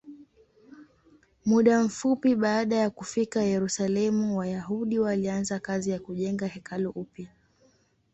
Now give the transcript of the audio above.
Muda mfupi baada ya kufika Yerusalemu, Wayahudi walianza kazi ya kujenga hekalu upya.